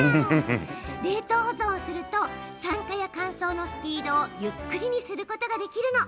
冷凍保存すると酸化や乾燥のスピードをゆったりにすることができるの。